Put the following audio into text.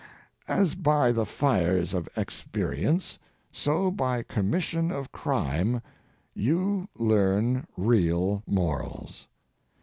As by the fires of experience, so by commission of crime, you learn real morals.